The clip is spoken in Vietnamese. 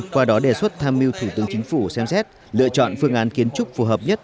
qua đó đề xuất tham mưu thủ tướng chính phủ xem xét lựa chọn phương án kiến trúc phù hợp nhất